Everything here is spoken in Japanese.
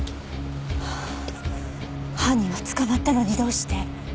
犯人は捕まったのにどうして。